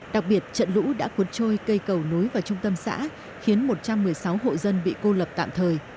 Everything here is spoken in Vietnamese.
đặc biệt trận lũ đã cuốn trôi cây cầu núi và trung tâm xã khiến một trăm một mươi sáu hộ dân bị cô lập tạm thời